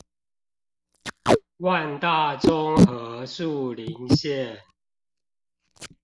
萬大中和樹林線